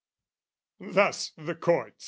Thus the courts.